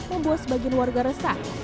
membuat sebagian warga resah